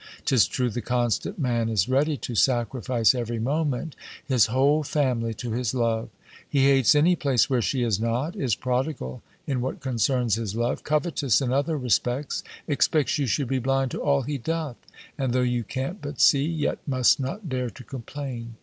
'Tis true the constant man is ready to sacrifice, every moment, his whole family to his love; he hates any place where she is not, is prodigal in what concerns his love, covetous in other respects; expects you should be blind to all he doth, and though you can't but see, yet must not dare to complain.